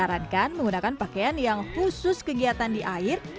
air dan air tersebut bisa menggunakan pakaian yang khusus kegiatan di air dan air tersebut bisa